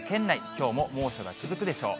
きょうも猛暑が続くでしょう。